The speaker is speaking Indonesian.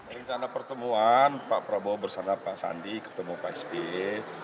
rencana pertemuan pak prabowo bersama pak sandi ketemu pak sby